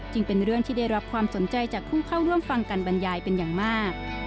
เป็นเรื่องที่ได้รับความสนใจจากผู้เข้าร่วมฟังการบรรยายเป็นอย่างมาก